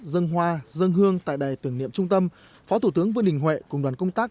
dân hoa dân hương tại đài tưởng niệm trung tâm phó thủ tướng vương đình huệ cùng đoàn công tác